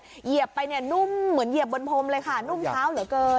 เหยียบไปเนี่ยนุ่มเหมือนเหยียบบนพรมเลยค่ะนุ่มเท้าเหลือเกิน